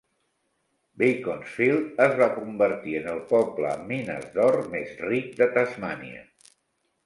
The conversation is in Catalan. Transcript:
Beaconsfield es va convertir en el poble amb mines d'or més ric de Tasmània.